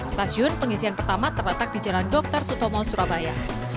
stasiun pengisian pertama terletak di jalan dr sutomo surabaya